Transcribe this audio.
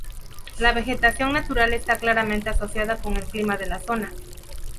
La vegetación natural está claramente asociada con el clima de la zona.